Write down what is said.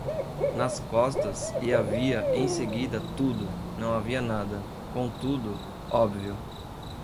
nas costas, e havia, em seguida, tudo, não havia nada, conteúdo, óbvio